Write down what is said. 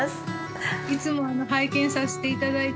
いつも拝見させて頂いて。